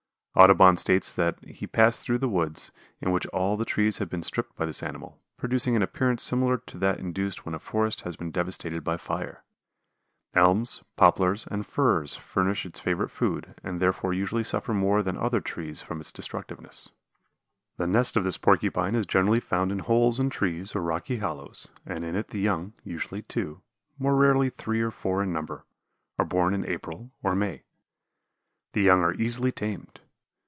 Audubon states that he passed through woods, in which all the trees had been stripped by this animal, producing an appearance similar to that induced when a forest has been devastated by fire. Elms, Poplars, and Firs furnish its favorite food, and therefore usually suffer more than other trees from its destructiveness. The nest of this Porcupine is generally found in holes in trees or rocky hollows, and in it the young, usually two, more rarely three or four in number, are born in April or May. The young are easily tamed.